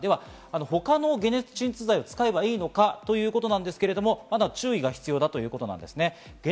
他の解熱鎮痛剤を使えばいいのかということなんですが、まだ注意が必要だということです。